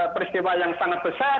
peristiwa yang sangat besar